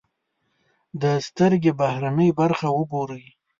د سترکې بهرنۍ برخه و ګورئ.